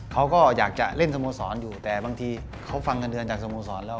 เขาก็อยากจะเล่นสโมสรอยู่แต่บางทีเขาฟังเงินเดือนจากสโมสรแล้ว